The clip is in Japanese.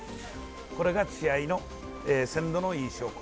これが血合いの鮮度のいい証拠。